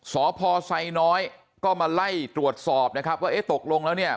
สพไซน้อยก็มาไล่ตรวจสอบนะครับว่าเอ๊ะตกลงแล้วเนี่ย